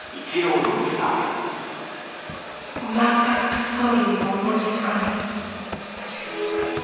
全くストーリーが思いつかない。